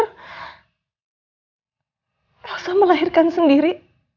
elsa melahirkan sendiri